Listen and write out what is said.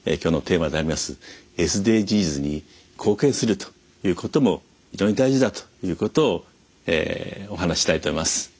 ＳＤＧｓに貢献するということも非常に大事だということをお話ししたいと思います。